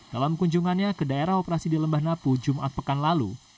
dalam kunjungannya ke daerah operasi di lembah napu jumat pekan lalu